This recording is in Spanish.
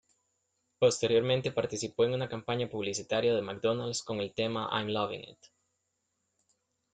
Posteriormente, participó en una campaña publicitaria de McDonald's con el tema "I'm loving it".